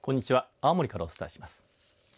青森からお伝えします。